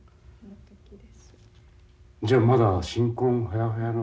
じゃあまだ新婚ほやほやの。